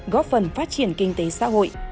góp phần phát triển kinh tế xã hội